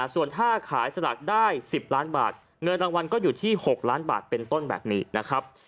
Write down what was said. ส่วนถ้าขายสลากได้๑๐ล้านบาทเงินรางวัลก็อยู่ที่๖ล้านบาทเป็นต้นแบบนี้นะครับ